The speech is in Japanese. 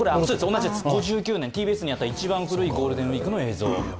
５９年、ＴＢＳにあった一番古いゴールデンウイークの映像。